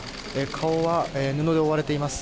顔は布で覆われています。